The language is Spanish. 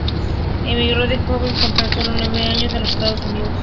Emigró de joven, con sólo nueve años, a los Estados Unidos.